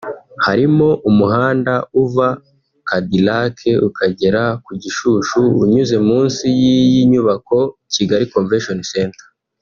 Harimo umuhanda uva Cadillac ukagera ku Gishushu unyuze munsi y’iyi nyubako [Kigali Convention Centre]